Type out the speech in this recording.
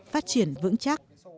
phát triển vững chắc